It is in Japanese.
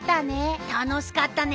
たのしかったね。